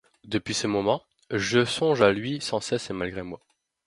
Depuis ce moment, je songe à lui sans cesse et malgré moi.